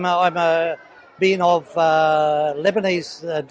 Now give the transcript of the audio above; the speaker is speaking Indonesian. jadi saya bisa makan apa saja